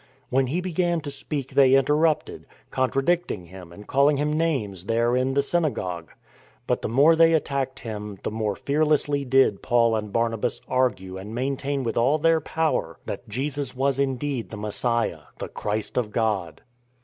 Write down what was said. When he began to speak they interrupted, contradicting him and calling him names there in the synagogue. But the more they attacked him, the more fearlessly did Paul and Barnabas argue and maintain with all their power that Jesus was indeed the Messiah, the Christ of God.